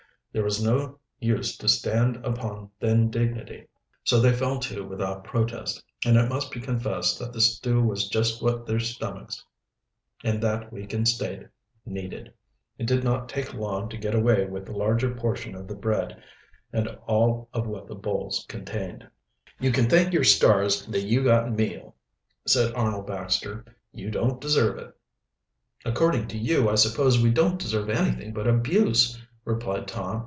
There was no use to "stand upon then dignity," as Tom afterward expressed it, so they fell to without protest, and it must be confessed that the stew was just what their stomachs, in that weakened state, needed. It did not take long to get away with the larger portion of the bread and all of what the bowls contained. "You can thank your stars that you got meal," said Arnold Baxter. "You don't deserve it." "According to you, I suppose we don't deserve anything but abuse," replied Tom.